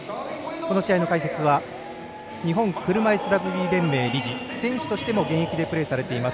この試合の解説は日本車いすラグビー連盟理事選手としても現役でプレーされています。